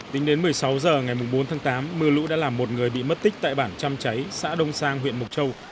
tính đến một mươi sáu h ngày bốn tháng tám mưa lũ đã làm một người bị mất tích tại bản trăm cháy xã đông sang huyện mộc châu